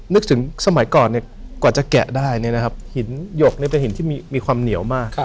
นึกถึงสมัยก่อนเนี่ยกว่าจะแกะได้เนี่ยนะครับหินหยกเนี่ยเป็นหินที่มีความเหนียวมาก